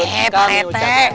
eh pak rete